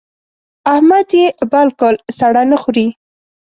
احمد يې بالکل سړه نه خوري.